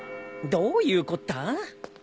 どういうこった？